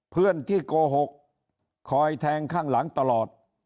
เพื่อนที่โกหกคอยแทงข้างหลังตลอด